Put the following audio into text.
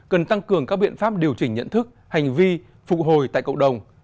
cần tăng cường các biện pháp điều chỉnh nhận thức hành vi phục hồi tại cộng đồng